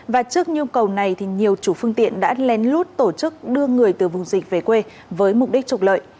và trước nhu cầu này thì nhiều chủ phương tiện đã lén lút tổ chức đưa người từ vùng dịch về quê với mục đích trục lợi